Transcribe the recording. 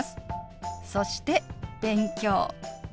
そして「勉強」。